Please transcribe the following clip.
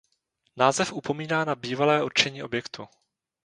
Název upomíná na bývalé určení objektu.